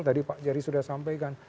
tadi pak jerry sudah sampaikan